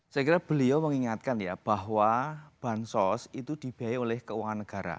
saya kira beliau mengingatkan ya bahwa bansos itu dibiayai oleh keuangan negara